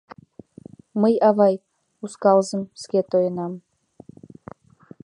— Мый, авай, ускалзым ске тоенам.